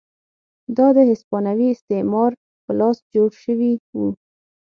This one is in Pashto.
دا د هسپانوي استعمار په لاس جوړ شوي وو.